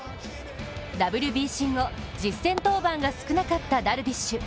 ＷＢＣ後、実戦登板が少なかったダルビッシュ。